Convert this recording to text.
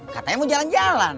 katanya mau jalan jalan